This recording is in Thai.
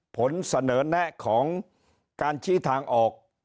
ผลเสนอแนะของการชี้ทางออก